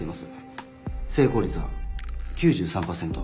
成功率は９３％。